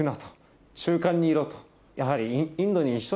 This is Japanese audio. やはり。